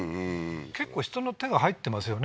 結構人の手が入ってますよね